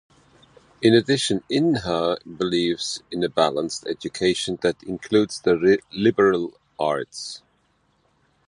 In addition, Inha believes in a balanced education that includes the liberal arts.